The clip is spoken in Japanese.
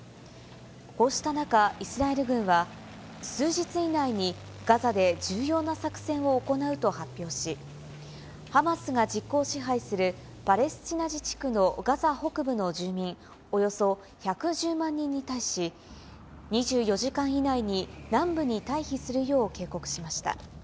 こうした中、イスラエル軍は、数日以内にガザで重要な作戦を行うと発表し、ハマスが実効支配するパレスチナ自治区のガザ北部の住民およそ１１０万人に対し、２４時間以内に南部に退避するよう警告しました。